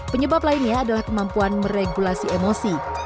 penyebab lainnya adalah kemampuan meregulasi emosi